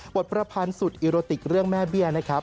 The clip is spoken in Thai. ประพันธ์สุดอิโรติกเรื่องแม่เบี้ยนะครับ